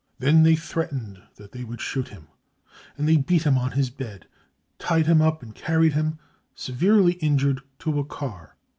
They then threatened that they would shoot him, and they beat him on his bed, tied him up and carried him, severely injured, to a car.